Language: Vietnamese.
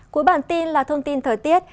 cuối bản tin là thông tin thời tiết